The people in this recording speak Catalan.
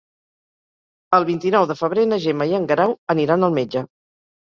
El vint-i-nou de febrer na Gemma i en Guerau aniran al metge.